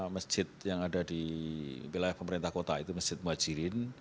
masjid yang ada di wilayah pemerintah kota itu masjid muhajirin